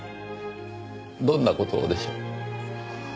どんな事をでしょう？